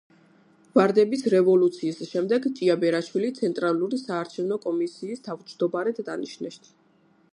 ვარდების რევოლუციის შემდეგ ჭიაბერაშვილი ცენტრალური საარჩევნო კომისიის თავმჯდომარედ დანიშნეს.